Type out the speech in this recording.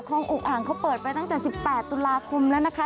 อุกอ่างเขาเปิดไปตั้งแต่๑๘ตุลาคมแล้วนะคะ